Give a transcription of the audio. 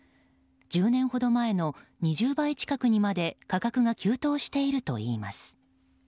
１０年ほど前の２０倍近くにまで価格が急騰しているといいます。